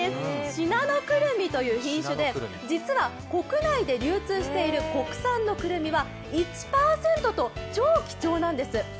信濃くるみという品種で、実は国内で流通している国産のくるみは１％と、超貴重なんです。